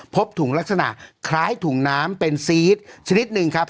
พบถุงลักษณะคล้ายถุงน้ำเป็นซีสชนิดหนึ่งครับ